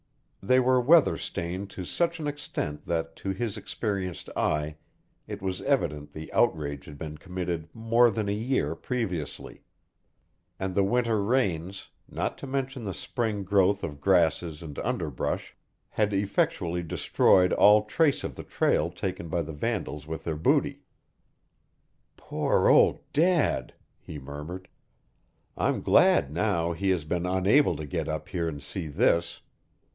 They were weather stained to such an extent that to his experienced eye it was evident the outrage had been committed more than a year previously; and the winter rains, not to mention the spring growth of grasses and underbrush, had effectually destroyed all trace of the trail taken by the vandals with their booty. "Poor old Dad!" he murmured. "I'm glad now he has been unable to get up here and see this.